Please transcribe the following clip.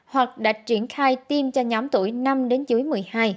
hoặc đã triển khai tiêm cho nhóm tuổi năm đến dưới một mươi hai